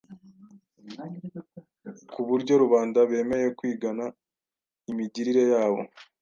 ku buryo rubanda bemeye kwigana imigirire yabo